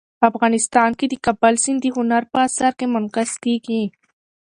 افغانستان کې د کابل سیند د هنر په اثار کې منعکس کېږي.